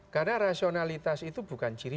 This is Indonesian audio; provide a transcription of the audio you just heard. karena rasionalitas itu bukan ciri